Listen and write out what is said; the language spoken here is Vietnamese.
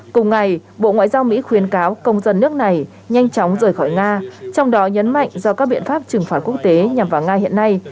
cùng ngày bộ ngoại giao mỹ khuyến cáo công dân nước này nhanh chóng rời khỏi nga trong đó nhấn mạnh do các biện pháp trừng phạt quốc tế nhằm vào nga hiện nay